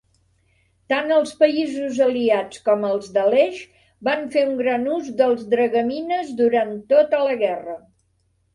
Tant els països aliats com els de l'Eix van fer un gran ús dels dragamines durant tota la guerra.